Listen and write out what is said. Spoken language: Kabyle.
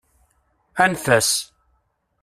Anef-as.